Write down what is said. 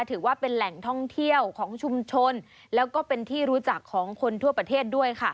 ถือว่าเป็นแหล่งท่องเที่ยวของชุมชนแล้วก็เป็นที่รู้จักของคนทั่วประเทศด้วยค่ะ